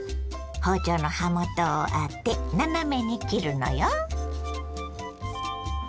包丁の刃元を当て斜めに切るのよ。